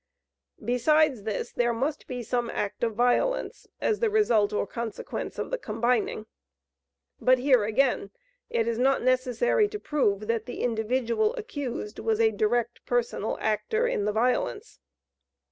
Besides this, there must be some act of violence, as the result or consequence of the combining. But here again, it is not necessary to prove that the individual accused was a direct, personal actor in the violence.